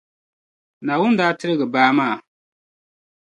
Naawuni daa tiligi baa maa.